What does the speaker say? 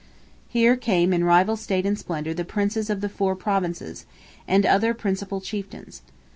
Here came in rival state and splendour the Princes of the four Provinces, and other principal chieftains.